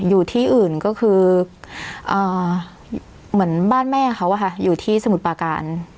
อยู่ที่อื่นก็คือเหมือนบ้านแม่เขาอยู่ที่สมุทรปาการ